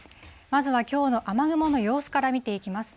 まずは、きょうの雨雲の様子から見ていきます。